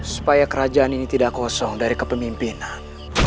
supaya kerajaan ini tidak kosong dari kepemimpinan